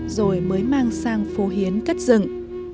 rồi mới mang sang phố hiến cất rừng